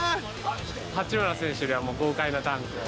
八村選手には豪快なダンクを。